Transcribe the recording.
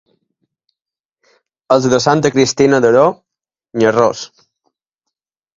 Els de Santa Cristina d'Aro, nyerros.